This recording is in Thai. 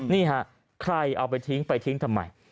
นี่ฮะใครเอาไปทิ้งไปทิ้งทำไม